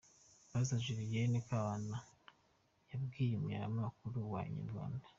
Pastor Julienne Kabanda yabwiye umunyamakuru wa Inyarwanda.